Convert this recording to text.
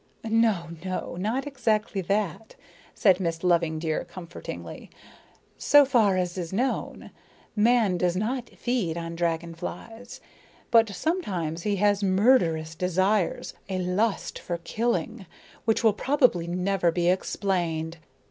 "No, no, not exactly that," said Miss Loveydear comfortingly. "So far as is known, man does not feed on dragon flies. But sometimes he has murderous desires, a lust for killing, which will probably never be explained.